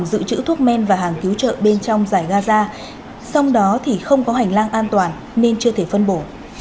hàng dự trữ thuốc men và hàng cứu trợ bên trong giải gaza song đó thì không có hành lang an toàn nên chưa thể phân bổ